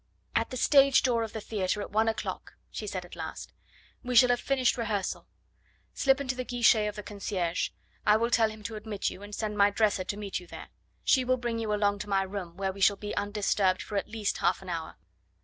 "At the stage door of the theatre at one o'clock," she said at last. "We shall have finished rehearsal. Slip into the guichet of the concierge. I will tell him to admit you, and send my dresser to meet you there; she will bring you along to my room, where we shall be undisturbed for at least half an hour."